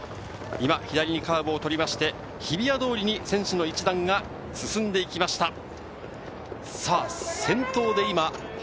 今、左にカーブをとりまして日比谷通りに選手の一団が進んできました。